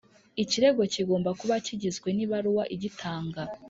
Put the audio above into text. Ikirego kigomba kuba kigizwe n’ibaruwa igitanga